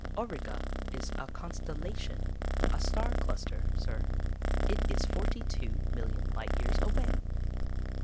"Auriga is a constellation, a star cluster, sir. It is forty two million light years away."